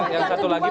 yang satu lagi pak